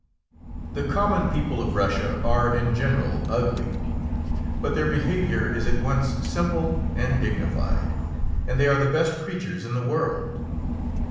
The common people of Russia are in general ugly, but their behaviour is at once simple and dignified, and they are the best creatures in the world.